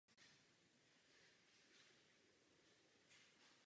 Ze studií nejprve absolvoval obor Divadelní věda na univerzitě v Londýně.